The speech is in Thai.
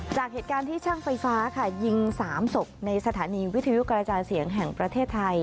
จากเหตุการณ์ที่ช่างไฟฟ้าค่ะยิง๓ศพในสถานีวิทยุกระจายเสียงแห่งประเทศไทย